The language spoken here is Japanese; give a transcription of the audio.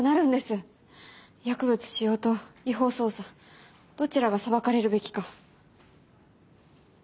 薬物使用と違法捜査どちらが裁かれるべきか。